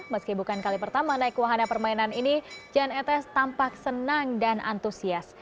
meski bukan kali pertama naik wahana permainan ini jan etes tampak senang dan antusias